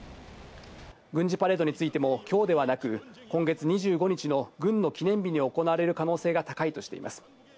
軍事パレードについても、きょうではなく、今月２５日の軍の記念日に行われる可能性が高いとしています。